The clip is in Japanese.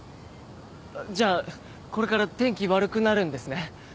じゃあこれから天気悪くなるんですね。